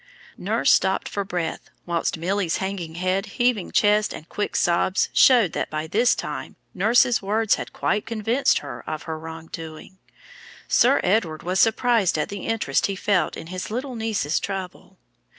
Nurse stopped for breath, whilst Milly's hanging head, heaving chest, and quick sobs showed that by this time nurse's words had quite convinced her of her wrong doing. Sir Edward was surprised at the interest he felt in his little niece's trouble.